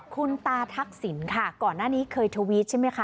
คุณตาทักษิณค่ะก่อนหน้านี้เคยทวิตใช่ไหมคะ